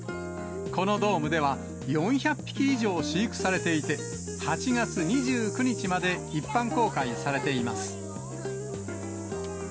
このドームでは、４００匹以上飼育されていて、８月２９日まで一般公開されています。